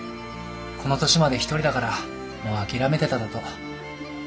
この年まで独りだからもう諦めてただとう。